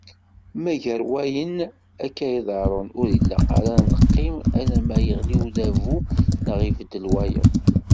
Ma gar wayen akka iḍerrun, ur ilaq ara ad neqqim alamma yeɣli udabu neɣ ibeddel wayeḍ.